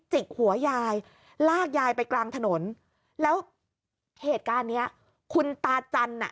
กหัวยายลากยายไปกลางถนนแล้วเหตุการณ์เนี้ยคุณตาจันน่ะ